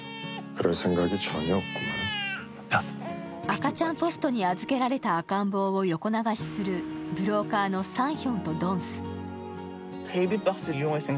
赤ちゃんポストに預けられた赤ん坊を横流しするブローカーのサンヒョンとドンス。